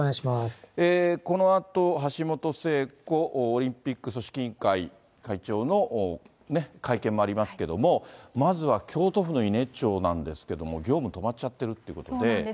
このあと橋本聖子オリンピック組織委員会会長の会見もありますけれども、まずは京都府の伊根町なんですけれども、業務止まっちゃってるということで。